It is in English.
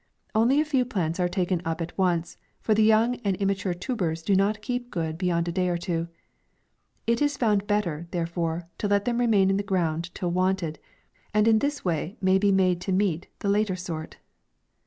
Only a few plants are taken up at once, for the young and immature tubers do not keep good be yond a day or two. It is found better, there fore, to let them remain in the ground till wanted, and in this way may be made to meet the later sort.